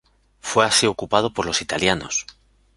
Fue así ocupado por los italianos.